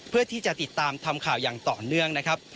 เพื่อที่จะติดตามทำข่าวอย่างต่อเนื่องนะครับ